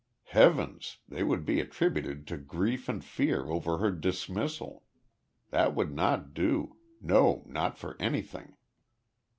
Heavens! they would be attributed to grief and fear over her dismissal. That would not do no not for anything.